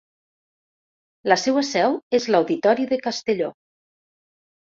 La seua seu és l'Auditori de Castelló.